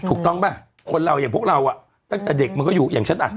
ถูกต้องป่ะคนเราอย่างพวกเราอ่ะตั้งแต่เด็กมันก็อยู่อย่างฉันอ่ะ